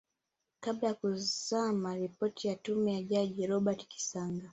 kabla ya kuzama Ripoti ya Tume ya Jaji Robert Kisanga